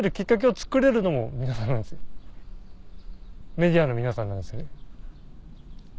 メディアの皆さんなんですよね。